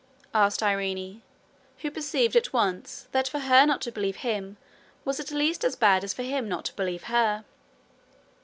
asked Irene, who perceived at once that for her not to believe him was at least as bad as for him not to believe her.